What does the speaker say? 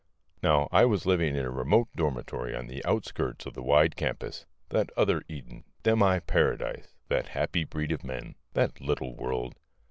Now I was living in a remote dormitory on the outskirts of the wide campus (that other Eden, demi paradise, that happy breed of men, that little world!)